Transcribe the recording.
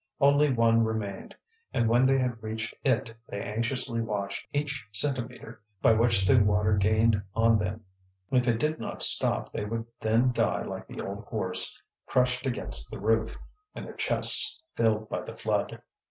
Only one remained, and when they had reached it they anxiously watched each centimetre by which the water gained on them. If it did not stop they would then die like the old horse, crushed against the roof, and their chests filled by the flood.